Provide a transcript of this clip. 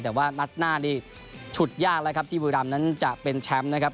แต่ว่านัดหน้านี่ฉุดยากแล้วครับที่บุรีรำนั้นจะเป็นแชมป์นะครับ